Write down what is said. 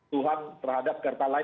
tuhan terhadap pertalat